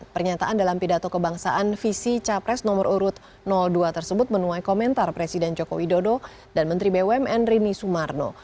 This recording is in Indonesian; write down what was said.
pernyataan dalam pidato kebangsaan visi capres nomor urut dua tersebut menuai komentar presiden joko widodo dan menteri bumn rini sumarno